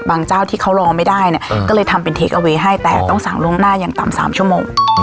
เจ้าที่เขารอไม่ได้เนี่ยก็เลยทำเป็นเทคเอาไว้ให้แต่ต้องสั่งล่วงหน้าอย่างต่ำ๓ชั่วโมง